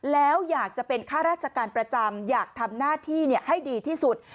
แล้วอยากจะเป็นข้าราชการประจำอยากทำหน้าที่ให้ดีที่สุด